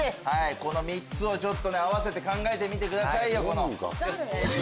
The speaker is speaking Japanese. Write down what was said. この３つを合わせて考えてみてくださいよ。